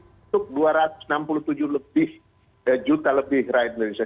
untuk dua ratus enam puluh tujuh lebih juta lebih rakyat indonesia